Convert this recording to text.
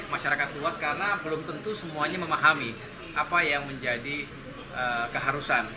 masyarakat luas karena belum tentu semuanya memahami apa yang menjadi keharusan